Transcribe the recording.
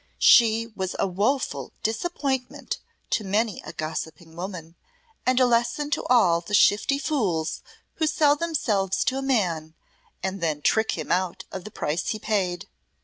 "She was a woeful disappointment to many a gossiping woman, and a lesson to all the shifty fools who sell themselves to a man, and then trick him out of the price he paid."